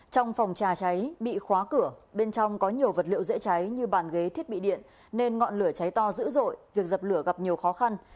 trong phòng trà cháy bị khóa cửa bên trong có nhiều vật liệu dễ cháy như bàn ghế thiết bị điện nên ngọn lửa cháy to dữ dội việc dập lửa gặp nhiều khó khăn